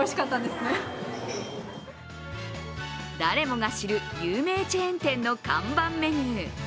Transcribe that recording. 誰もが知る有名チェーン店の看板メニュー。